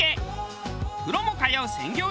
プロも通う鮮魚